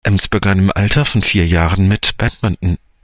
Emms begann im Alter von vier Jahren mit Badminton.